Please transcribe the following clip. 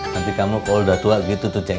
nanti kamu kalau sudah tua begitu ceng